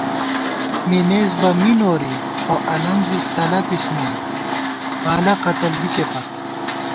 مِمېس بہ می نوری خو الَنزِس تلَپِس نئ بالہ قتل بِکےپت